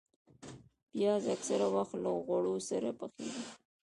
پیاز اکثره وخت له غوړو سره پخېږي